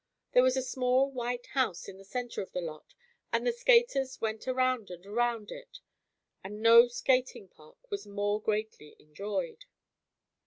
There was a small white house in the center of the lot and the skaters went around and around it, and no skating park was more greatly enjoyed.